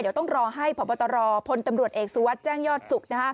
เดี๋ยวต้องรอให้พบตรพลตำรวจเอกสุวัสดิ์แจ้งยอดสุข